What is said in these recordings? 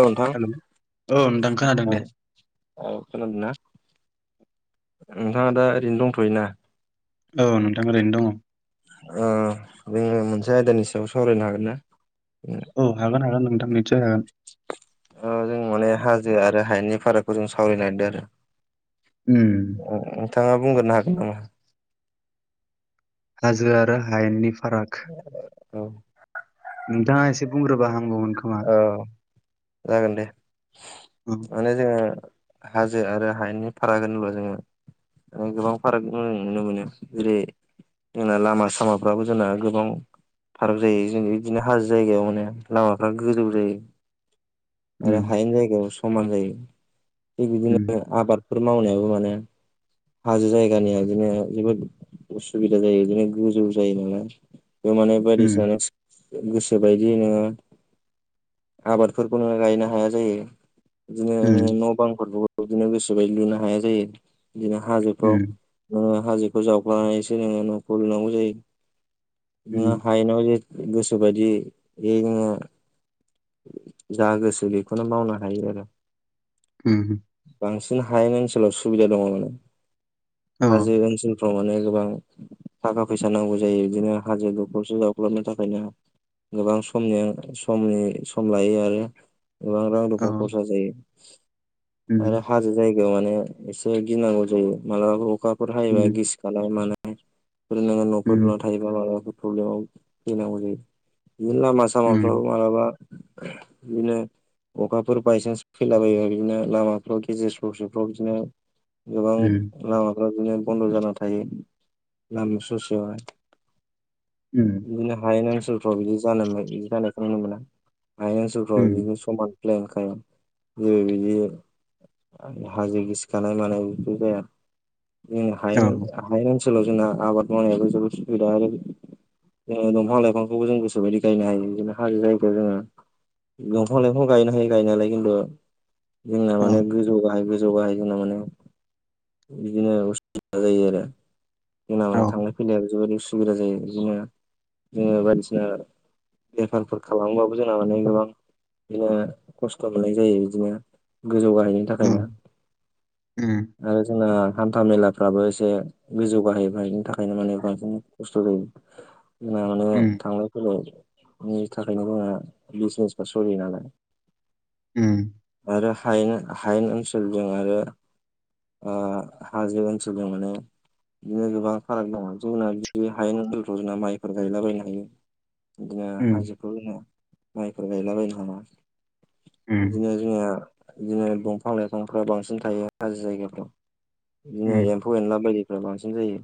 औ नोंथां हेलौ औ नोंथां खोनादों औ दे औ खोनादों ना नोंथाङा दा ओरैनो दंथ'योना? औ नोंथां ओरैनो दङ। ओ जोङो मोनसे आयदानि सायाव सावरायनो हागोन ना? औ हागोन हागोन नोंथां निसय हागोन। ओ जों माने हाजो आरो हायेननि फारागफोरखौ जों सावराय नायगिरदों आरो उम नोंथाङा बुंग्रोनो हागोन नामा? हाजो आरो हायेननि फाराग [unintelligible] नोंथाङा एसे बुंग्रोबा हामगौमोन खोमा औ जागोन दे उम माने जोङो हाजो आरो हायेननि फाराग होनबा जोङो, गोबां फाराग जों नुनो मोनो जेरै जोंना लामा सामाफ्राबो जोंना गोबां फाराग जायो जों बिदिनो हाजो जायगायाव माने लामा, फ्रा गोजौ जायो आरो उम हायेन जायगायाव समान जायो। थिग उम बिदिनो आबादफोर मावनायाबो माने, हाजो जायगानिया बिदिनो जोबोद उसुबिदा जायो बिदिनो गोजौ जायो नालाय। बेफोर माने उम बायदिसिना गोसो बायदि नोङो आबादफोरखौ नो गायनो हाया जायो। उम बिदिनो न' बांफोरखौ बिदिनो गोसोबायदि लुनो हाया जायो बिदिनो हाजोफ्राव नोङो हाजोखौ जावख्लानानै एसो नोङो न'खौ लुनांगौ जायो। बिदिनो उम हायेन, [unintelligible] गोसो बायदियै एहाय जोङो, जा गोसो बेखौनो मावनो हायो आरो उम बांसिन हायेन ओनसोलाव सुबिदा दङ माने औ हाजो ओनसोल, फ्राव माने गोबां थाखा फैसा नांगौ जायो बिदिनो हाजो दखारसे जावख्लबनो थाखायनो, गोबां समनि समनि सम लायो आरो गोबां रां औ रुफा खरसा जायो। उम आरो हाजो जायगायाव माने एसे गिनांगौ जायो मालाबा अखाफोर हायोबा उम गिसि, खानाय मानाय नोङो न'फोर उम लुना थायो। मालाबाफोर प्रब्लेमाव फैनांगौ जायो बिदिनो लामा उम सामाफ्राव मालाबा, बिनो अखाफोर बायसान्स फैला बायोबा बिदिनो लामाफ्राव गेजेर ससेफ्राव बिदिनो, गोबां उम लामाफ्रा बिदिनो बन्द' जाना थायो लामा ससेयावहाय, उम बिदिनो हायेन ओनसोलफ्राव बिदि जानो बिदि जानायखौ नुनो मोना, हायेन ओनसोलफ्राव उम बिदिनो समान ल्पेनखाय जेबो बिदि हाजो गिसिखानाय मानाय बेफोर जाया जों औ हायेन हायेन ओनसोलाव जोंना आबाद मावनायाबो जोबोद सुबिदा जोङो दंफां लाइफांखौ जों गोसो बायदि गायनो हायो। बिदिनो हाजो जायगायाव जोङो, दंफां लाइफां गायनो हायो गायनायालाय खिन्थु, जोंना औ माने गोजौ गाहाय गोजौ गाहाय जोंना माने। बिदिनो उसुबिदा जायो आरो जों औ माने थांलाय फै फैनाय जोबोोर उसुबिदा जायो बिदिनो जोङो बायदिसिना बेफारफोर खालामबो। बुजा मानाय गोबां बिदिनो खस्थ' मोननाय जायो बिदिनो गोजौ गाहायनायनि औ थाखायनो उम उम आरो जोंना। हान्था मेलाफ्राबो एसे गोजौ गाहैबायायनि थाखायनो माने बांसिन खस्थ' जायो। जोंना माने उम थांलाय फैलायनि थाखायनो जोंहा बिजनेसफ्रा सोलियो नालाय, उम आरो हायेन हायेन ओनसोलजों आरो ओ हाजो ओनसोल माने बिदिनो गोबां फाराग दङ जोंना बिदिनो आयेन ओनसोलफोराव जोंना माइफोर गायलाबायनो हायो। बिदिनो उम हाजोखौ जोङो, माइफोर गायलाबायनो हाङा उम बिदिनो जोंहा। बिदिनो दंफां लाइफांफ्रा बांसिन थायो हाजो जायगाफ्राव बिदिनो। उम ए एनला बायदि बांसिन जायो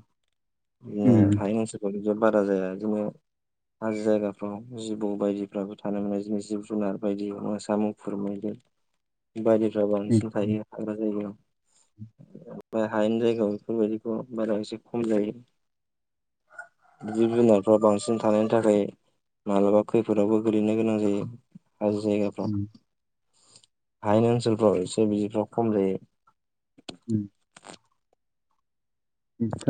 बिदिनो हाय नोंसोर बारा जाया बिदिनो हाजो जायगाफ्राव जिबौ बायदि। फोराबो थानो मोननाय जोंनि जिब जुनार बायदि अब्ला सामुं फोरमायदों। बायदिफ्रा उम बांसिन थायो हाग्रा जायगायाव ओमफ्राय हायानि जायगायाव बेफोरबायदिखौ बारा एसे खम जायो। जिब जुनारफ्रा बांसिन थानायनि थाखाय मालाबा खैफोद। फोरावबो गोलैनो गोनां जायो हाज्रि जायगाफ्राव। उम हायानि ओनसोलफ्राव एसे बिफ्राव खम जायो। उम। [unintelligible]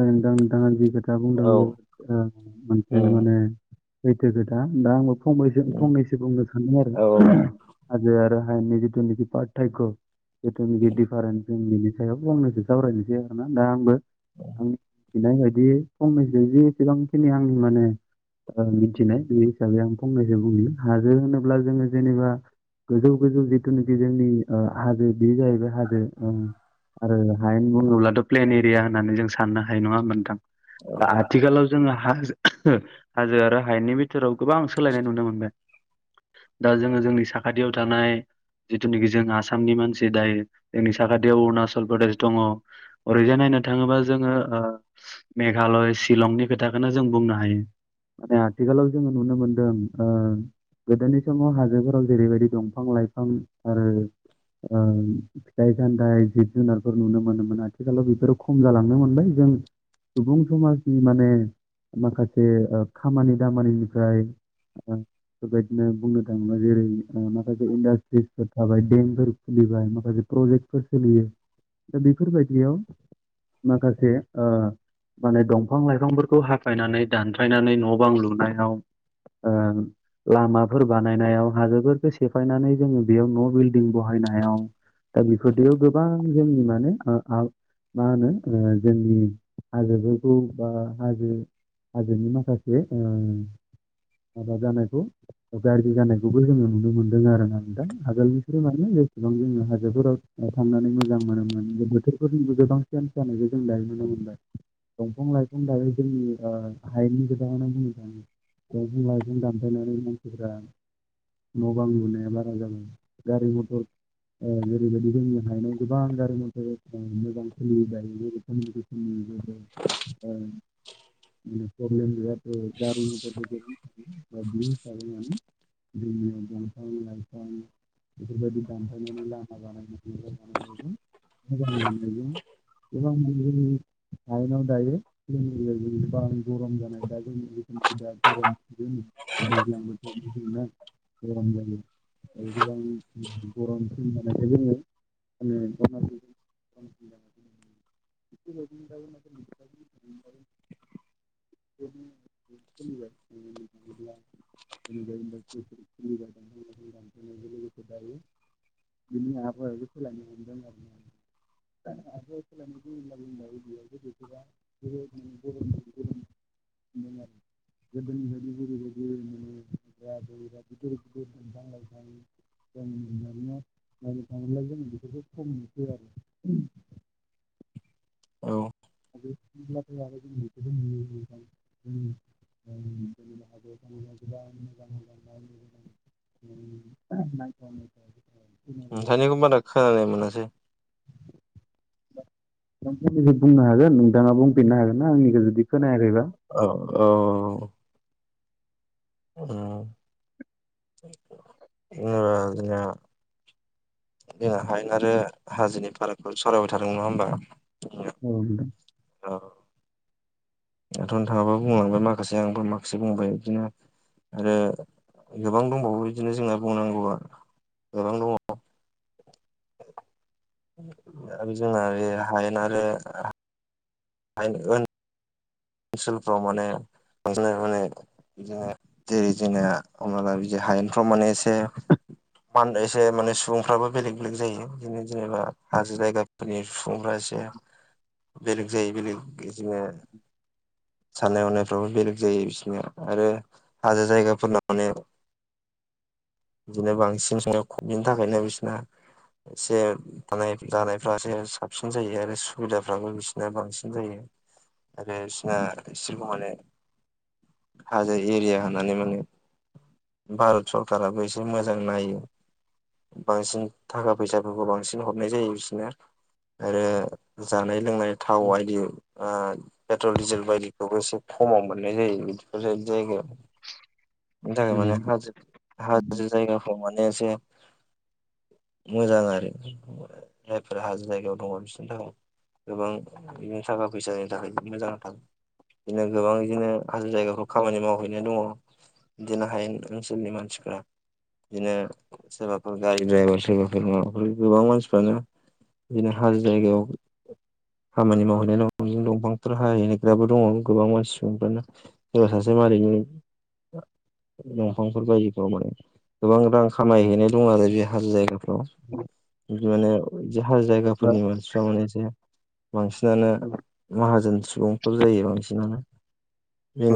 औ मोनसे उम माने सैथो खोथा दा आंबो। फंसेसो उम फंनैसो बुंनो सानो औ आरो आाज आरो हयथ नखि पार थक्य बेथ नखिरेन जों बिनि सायाव फंनैसो सावरायनोसै आरोना दा आंबो। आंनि मिथिनाय बायदि फंनैसो ज एसेबांखिनि आंनि माने। मिथिनाय बे हिसाबै आं फंनैसो बुंयो हाजो होनोब्ला जोङो जेनेबा। गोजौ गोजौ जिथुनाखि जोंनि हाजो बेयो जाहैबाय हाजो। आरो हायेन बुङोब्लाथ' प्लेन एरिया होननानै जों साननो हायो नङा होनदां औ दा औ आथिखालाव। जोङो हाजो हाजो आरो हायनि बिथोराव गोबां सोलायनाय नुनो मोन बे दा जोङो जोंनि साखाथियाव थानाय। जिथुनाखि जों आसामनि मानसि दायो जोंनि साखाथियाव अरुणाचल प्रदेश दङ। अरैजाय नायनो थाङोबा। जोङो मेघालय शिलंनि खोथाखौनो जों बुंनो हायो। माने आथिखालाव जोङो नुनो मोनदों। गोदोनि समाव हाजोफोराव जेरैबायदि दंफां-लाइफां आरो। फिथाइ सान्थाइ जिब जुनारफोर नुनो मोनोमोन आथिखालाव बेफोरो खम जालाङो नुनो मोनबाय जों। सुबुं समाजनि माने माखासे खामानि दामानिनिफ्राय। बेबायदिनो बुंनो थाङोब्ला जेरै माखासे इन्डास्ट्रिसफोर थाबाय दमफोर। सोलिबाय माखासे प्रजेक्टफोर सोलियो दा बेफोर बायदियाव माखासे माने दंफां लाइफांफोरखौ हाफायनानै दानथ्रायनानै न' बां लुनायाव। [inaudible] लामाफोर बानायनायाव हाजोफोरखौ सेफायनानै जोङो बेयाव न' बिल्डिं बाहायनायाव दा बेफोरदियाव गोबां जोंनि माने मा होनो। जोंनि हाजोफोरखौ बा हाजो। हाजोनि माखासे माबा जानायखौ। गारि जानायखौबो जोङो नुनो मोनदों आरो ना नोंथां आगोलनिफ्राय मानोे जेसेबां जोङो हाजोफोराव ओ थांनानै मोजां मोनोमोन बोथोरखौजोंगोबां सियन्स जानायखौ जों दाय नुनो मोनबाय दंफां लाइफां दायो जोंनि ओ हायेननि गोजाङनो बुंनो सानो ओ दंफां लायफां दामफायनानै मानसिफ्रा न' बां लुनायाबारा जादों गारि मथर ओ जेरैबायदि जोंनि हायनो गोबां गारि मथर मोजां सोलियोबायो। जरखानि गोसोनि ज उम प्रबलेमगेया ओ गारि बायदिसिना बि हिसाबै माने। बिदिनो दंफां-लायफां बेफोरबायदि दानफायनानै लामा बानायानाय मोजां मोननायगजों [unintelligible] हायनाव दायो जोंनि बार गरम जानाय दा जों गरम दैज्लां बोथोरनि गोबां जायो आरो गोबां गरम सम जानायखाय जोङो मने [unintelligible] [unintelligible] [unintelligible] बिनि आवहावायाबो सोलायनो मोनदों आरो दा आरो खनाय बब्ला बुंा एयाव जदखौबा बर'नि गो [unintelligible] [unintelligible] [unintelligible] [unintelligible] [unintelligible] नायनो थाङोब्ला जोङो बेफोरखौ खम मोनसै आरो औ [unintelligible] जों जोंनि हाबआव खामानिाव गोबां मोजांजांनाय मो [unintelligible] [unintelligible] नोंथांनिखौ बारा खोनानाय मोनासै नोंथां खनसे जुदि बुंनो हागोन नोंथाङा बुंफिननो हागोन ना आंनि गोेजोन बि खोनायाखैबा औ औ उम [unintelligible] जों हायेन आरो हाजोनि फारागखौ सावरायबाय थादों नङा होमबा औ नोंथां अ दाथ'नो थाङाबा बुंलांबाय माखासे आंबो माखासे बुंबाय बिदिनो आरो गोबां दंबावो बिदिनो जोंना बुंनांगौआ गोबां दङ [unintelligible] हायेन ओन ओनसोलफ्राव माने बिदिनो माने बिदिनो जेरै जोंना हमनाला बिदि हायेनफ्राव माने एसे माहोनदो अंएसे माने सुबुंफ्राबो बेलेग लोगो जायो बिदिनो जेनेबा हाजो जायगा फोरनि सुबुंफ्रा एसे बेलेग जायो बेलेग बिदिनो साननाय हनायफ्राबो बेलेग जायो बिसनिया आरो हाजो जायगाफोरना माने बिदिनो बांसिन सो ख बिनि थाखायनो बिसोरना एसे थानाय जानायफ्रा एसे साबसिन जायो आरो सुबिदाफ्राबो बिसोरनो बांसिन जायो आरो बिसोरना इसोरबा हले हाजो एरिया होनानानै माने भारत सरखाराबो एसे मोजां नायो बांसिन थाखा फैसाफोरखौ बांसिन हरनाय जायो बिसोरनो आरो जानाय लोंनाय थाव आदि पेट्रल डिजेल बायदिखौबो एसे खमाव मोननाय जायो बिदिफोर बायदि जायगायाव थाखाय माने हाजो हाजो जायगाखौ माने एसे मोजां आरो जायफोर हाजो जायगायाव दङ बिसिनि थाखाय गोबां बिदिनो थाखा फैसानि थाखाय मोजां बिदिनो गोबां बिदिनो हाजो जायगाफ्राव खामानि मावहैनाय दङ बिदिनो हायेन ओनसोलनि मानसिफ्रा बिदिनो सोरबाफोर गारि ड्राइभार सोरबाफोर माबाफोर गोबां मानसिफ्रानो बिदिनो हाजो जायगायाव खामानि मावहैनाय दंफांफोर हाहैनाय फ्राबो दङ गोबां मानसि सुबुंफ्रानो सोरबा सासे [unintelligible] दंफांफोर बायदिफोराव माने गोबां रां खामायहैनाय दं आरो बे हाजो औ माने हाजो बा जायगाफोरनि मानसिफ्रा माने एसे बांसिनानो माहाजोन सुबुंफोर जायो बांसिनानो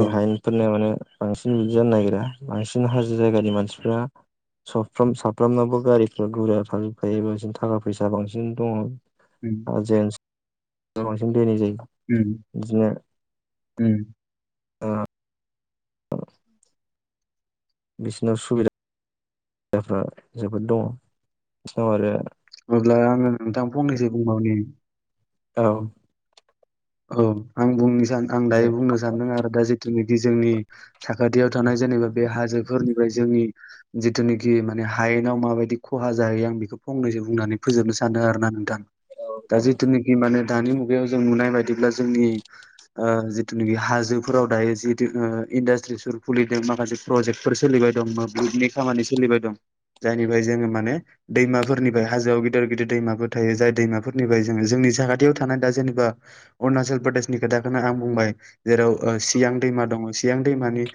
औ हायेन फोरनिया माने बांसिन बिदि जानो नागिरा बांसिन हाजो जायगानि मानसिफ्रा साफ्राम साफ्रामनाबो गारिफ्रा गुरा थाजोबखायो बेबादिनो थाखा फैसा बांसिन दङ। उम जेन्स बांसिन दोननाय जायो। उम बिदिनो उम बिसिनाव सुबिदादाफ्रा जोबोद दङ बिसिनाव आरो अब्ला आङो नोंथां फंनैसो बुंबावनि औ आं बुंनि सानो आं दायो दे बुंनो सानदों आरो दा जिथुनाखि जोंनि साखाथियाव थानाय जेनेबा बे हाजोफोरनिफ्राय जोंनि जिथुनाखि माने हायेनाव माबायदि खहा जाहैयो आं बेखौ फंनैसो बुंनानै फोजोबनो सानो आरोना नोंथां औ दा दे जिथुनाखि माने दानि मुगायाव जों नुनाय बायदिब्ला जोंनि ओ जिथुनाखि हाजोफोराव दायो जितु ओ इन्डासट्रिसफोर खुलिदों माखासे प्रजेक्टफोर सोलिबाय दं मोब्लिबनि खामानि सोलिबाय दं जायनिफ्राय जोङो माने दैमाफोरनिफ्राय हाजोआव गिदिर गिदिर दैमाफोर थायो जाय दैमाफोरनिफ्राय जोङो जोंनि साखाथियाव थानाय दा जेनेबा अरुणाचल प्रदेशनि खोथाखौनो आं बुंबाय जेराव सियां दैमा दङ सियां दैमानि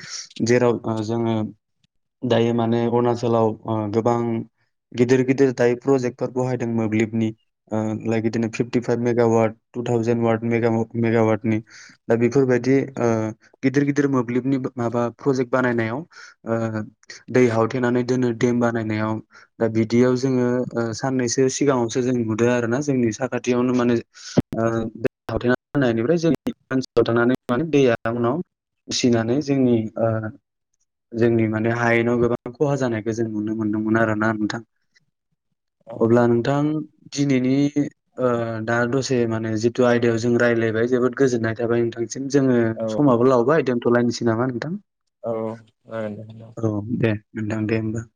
जेराव जोङो दायो माने अरुणाचलाव गोबां गिदिर गिदिर दायो प्रजेक्ट फोर बहायदों मोब्लिबनि लाइक बिदिनो fifty five mega watt two thousand watt mega मेगावाटनि दा बेफोरबायदि ओ गिदिर गिदिर मोब्लिबनि माबा प्रजेक्ट बानायनायाव ओ दै हावथेनानै दोनो देम बानायनायाव दा बिदियाव जोङो साननैसो सिगाङावसो जों नुदों आरो ना जोंनि साखाथियावनो माने ओ दै हावथेना दोननायनिफ्राय जोंनि ओनसोलाव थांनानै माने दैया उनाव फिसिनानै जोंनि ओ जोंनि माने हायेनाव गोबां खहा जानायखौ जों नुनो मोनदोंमोन आरो ना नोंथां औ अब्ला नोंथां दिनैनि ओ दा दसे माने जिथु आयदायाव जों रायज्लायबाय जोबोद गोजोननाय थाबाय नोंथांसिम जोङो समाबो लावबाय दोनथ'लायनोसै नामा नोंथां। औ ओ दे औ दे नोंथां दे होमबा।